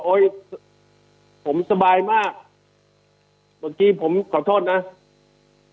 โอ้ยผมสบายมากเมื่อกี้ผมขอโทษนะครับ